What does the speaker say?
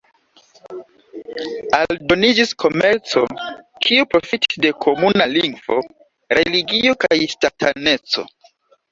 Aldoniĝis komerco, kiu profitis de komuna lingvo, religio kaj ŝtataneco.